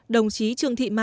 đồng chí trương thị mai